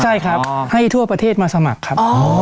ใช่ครับให้ทั่วประเทศมาสมัครครับ